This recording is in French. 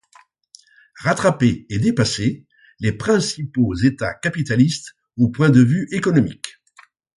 Rattraper et dépasser les principaux États capitalistes au point de vue économique.